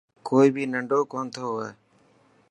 ڪوئي بهي ننڊو ڪونٿو هئي.